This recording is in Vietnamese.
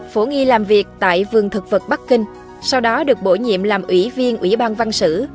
phổ nghi làm việc tại vườn thực vật bắc kinh sau đó được bổ nhiệm làm ủy viên ủy ban văn sử